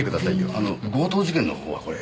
あの強盗事件のほうはこれ。